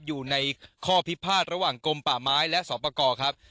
อยู่ในข้อพิพาทระหว่างกลมป่าไม้และสอบประกอบครับ